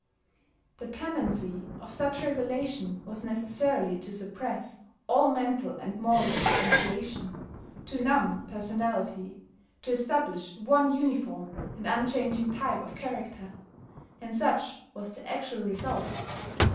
The tendency of such regulation was necessarily to suppress all mental and moral differentiation, to numb personality, to establish one uniform and unchanging type of character; and such was the actual result.